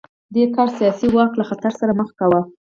دې کار یې سیاسي واک له خطر سره مخ کاوه.